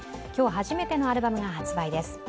今日、初めてのアルバムが発売です。